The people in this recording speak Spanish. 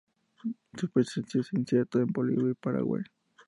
Su presencia es incierta en Bolivia y Paraguay.